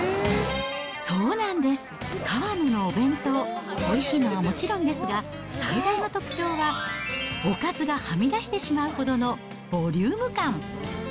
そうなんです、かわののお弁当、おいしいのはもちろんですが、最大の特徴は、おかずがはみ出してしまうほどのボリューム感。